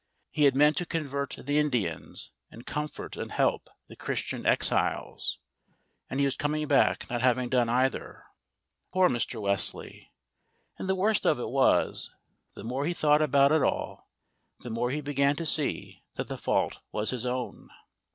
He had meant to convert the Indians and comfort and help the Christian exiles, and he was coming back not having done either. Poor Mr. Wesley! And the worst of it was, the more he thought about it all, the more he began to see that the fault was his own.